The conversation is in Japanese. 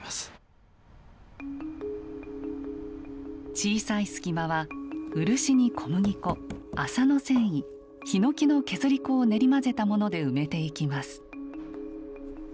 小さい隙間は漆に小麦粉麻の繊維ヒノキの削り粉を練り混ぜたもので埋めていきます。